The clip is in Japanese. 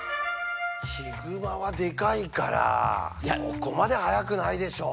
ヒグマはでかいからそこまで速くないでしょう。